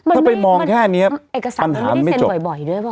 ถ้าไปมองแค่นี้ปัญหาไม่จบ